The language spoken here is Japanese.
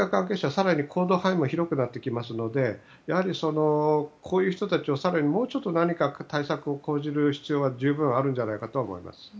更に行動範囲も広くなってきますのでやはり、こういう人たちを更にもう少し何か対策を講じる必要があるんじゃないかと思います。